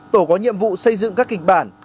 tổ có nhiệm vụ xây dựng các kịch bản